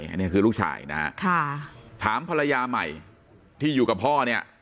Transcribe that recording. อันนี้คือลูกชายนะฮะถามภรรยาใหม่ที่อยู่กับพ่อเนี่ย